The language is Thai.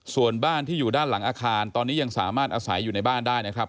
ส่วนบ้านที่อยู่ด้านหลังอาคารตอนนี้ยังสามารถอาศัยอยู่ในบ้านได้นะครับ